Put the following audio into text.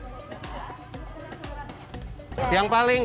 roti hoops adalah sejenis roti pita dari timur tengah